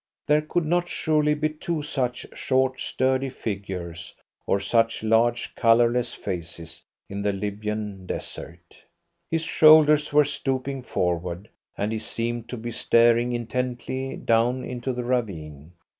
There could not surely be two such short sturdy figures, or such large colourless faces, in the Libyan Desert. His shoulders were stooping forward, and he seemed to be staring intently down into the ravine.